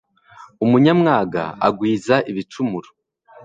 umunyamwaga akagwiza ibicumuro